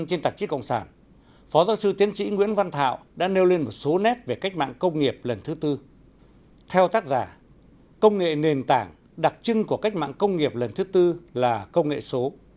công nghệ nền tảng đặc trưng của cách mạng công nghiệp lần thứ tư là công nghệ số